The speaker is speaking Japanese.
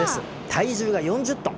体重が４０トン！